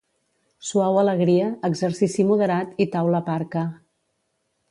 Suau alegria, exercici moderat i taula parca.